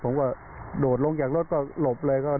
ผมก็โดดลงออกจากรถก็หลบเลย